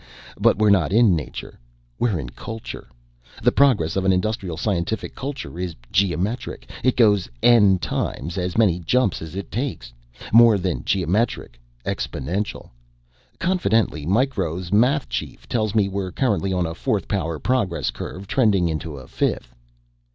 "Ha, but we're not in nature, we're in culture. The progress of an industrial scientific culture is geometric. It goes n times as many jumps as it takes. More than geometric exponential. Confidentially, Micro's Math chief tells me we're currently on a fourth power progress curve trending into a fifth."